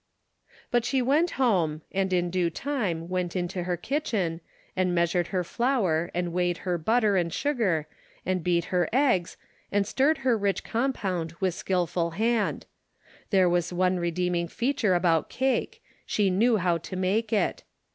But she went home, and in due time went into her kitchen, and measured her flour, and weighed her butter and sugar, and beat her eggs, and stirred her rich compound with skill ful hand ; there was one redeeming feature about cake, she knew how to make it.